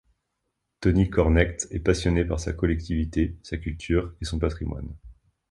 Tony Cornect est passionné par sa collectivité, sa culture et son patrimoine.